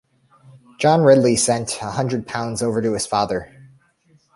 John Ridley sent a hundred pounds over to his father